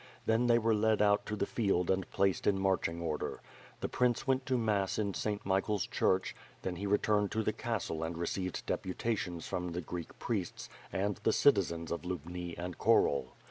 Then they were led out into the field and placed in marching order. The prince went to mass in St. Michael's Church; then he returned to the castle and received deputations from the Greek priests, and the citizens of Lubni and Khorol.